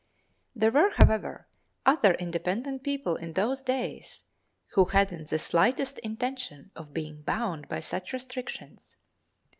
There were, however, other independent people in those days who hadn't the slightest intention of being bound by such restrictions.